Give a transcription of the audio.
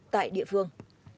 tại địa phương